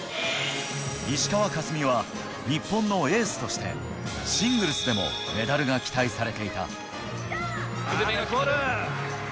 石川佳純は日本のエースとして、シングルスでもメダルが期待されていた。